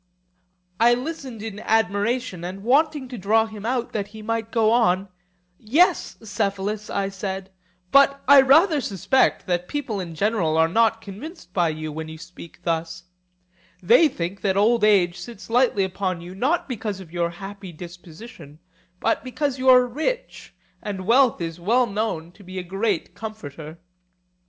I listened in admiration, and wanting to draw him out, that he might go on—Yes, Cephalus, I said: but I rather suspect that people in general are not convinced by you when you speak thus; they think that old age sits lightly upon you, not because of your happy disposition, but because you are rich, and wealth is well known to be a great comforter.